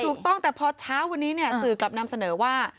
ถูกต้องแต่พอเช้าวันนี้เนี่ยสื่อกลับนำเสนอว่า